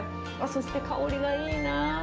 そして、香りがいいなぁ。